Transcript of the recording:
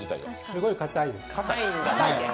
すごいかたいです。